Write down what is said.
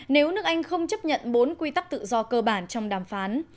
nếu nước anh không chấp nhận bốn quy tắc tự do cơ bản trong đàm phán